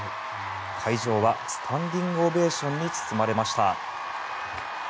会場はスタンディングオベーションに包まれました。